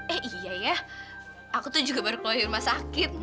eh iya ya aku tuh juga baru keluar di rumah sakit